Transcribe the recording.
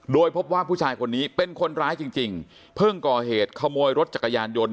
โดยพบว่าผู้ชายคนนี้เป็นคนร้ายจริงเพิ่งก่อเหตุขโมยรถจักรยานยนต์